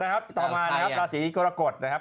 ต่อมานะครับราศีกรกฎนะครับ